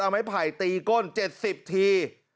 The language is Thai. เอาไม้ไผ่ตีก้น๗๐ที